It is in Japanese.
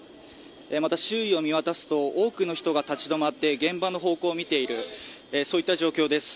また周囲を見渡すと多くの人が立ち止まって現場の方向を見ているそういった状況です。